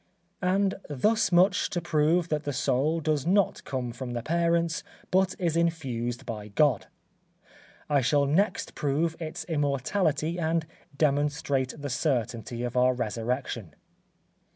And thus much to prove that the soul does not come from the parents, but is infused by God. I shall next prove its immortality and demonstrate the certainty of our resurrection.